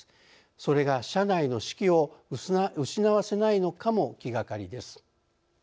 それが社内の士気を失わせないのかも気がかりです。